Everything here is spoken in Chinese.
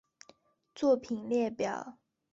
作品列表